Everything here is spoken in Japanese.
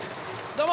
どうも。